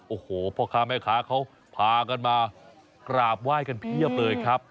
โอ้โหพ่อค้าแม่ค้าเขาพากันมากราบไหว้กันเพียบเลยครับ